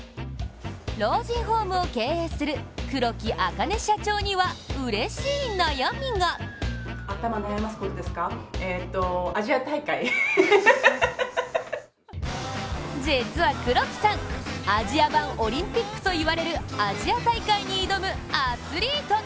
老人ホームを経営する黒木茜社長にはうれしい悩みが実は黒木さん、アジア版オリンピックといわれるアジア大会に挑むアスリート。